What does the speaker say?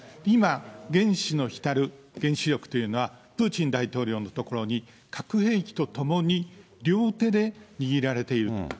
今、原子の火たる原子力というのは、プーチン大統領のところに、核兵器と共に両手で握られていると。